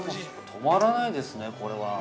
◆止まらないですね、これは。